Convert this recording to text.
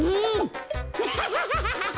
アハハハ！